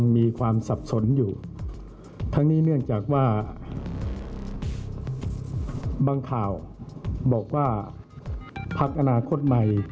มีความสับสนอยู่ทั้งนี้เนื่องจากว่าบางข่าวบอกว่าพักอนาคตใหม่